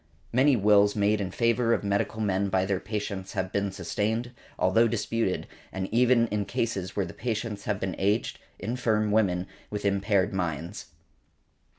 Many wills made in favour of medical men by their patients have been sustained, although disputed, and that even in cases where the patients have been aged, infirm women, with impaired minds .